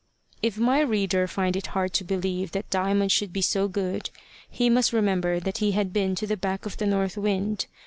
If my reader find it hard to believe that Diamond should be so good, he must remember that he had been to the back of the north wind.